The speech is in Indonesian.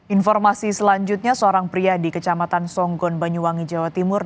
informasi selanjutnya seorang pria di kecamatan songgon banyuwangi jawa timur